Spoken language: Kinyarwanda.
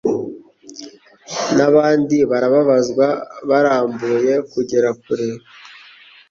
n'abandi barababazwa barambuye kugera kure